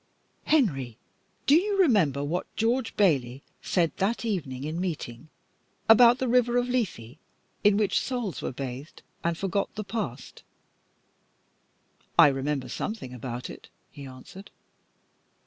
"Henry, do you remember what George Bayley said that night in meeting, about the river of Lethe, in which, souls were bathed and forgot the past?" "I remember something about it," he answered.